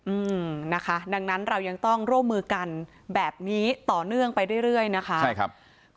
อืมนะคะดังนั้นเรายังต้องร่วมมือกันแบบนี้ต่อเนื่องไปเรื่อยเรื่อยนะคะใช่ครับ